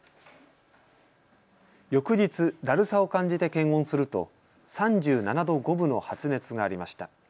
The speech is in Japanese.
翌日、だるさを感じて検温すると３７度５分の発熱がありました。